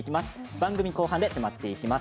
番組後半で迫っていきます。